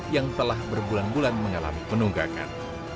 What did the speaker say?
yang telah berbulan bulan mengalami penunggakan